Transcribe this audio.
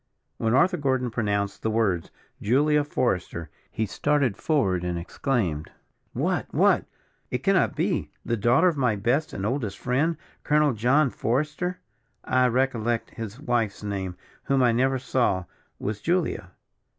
When Arthur Gordon pronounced the words, Julia Forester, he started forward, and exclaimed: "What what! it cannot be the daughter of my best and oldest friend, Colonel John Forester? I recollect his wife's name, whom I never saw, was Julia."